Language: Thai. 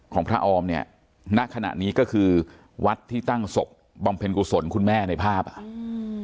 พระออมเนี่ยณขณะนี้ก็คือวัดที่ตั้งศพบำเพ็ญกุศลคุณแม่ในภาพอ่ะอืม